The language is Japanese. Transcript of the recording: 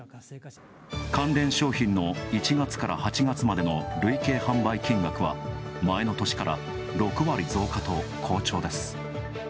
関連商品の１月から８月までの累積販売金額は前の年から６割増加と好調です。